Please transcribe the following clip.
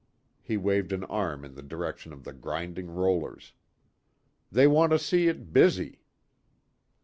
He waved an arm in the direction of the grinding rollers. "They want to see it busy."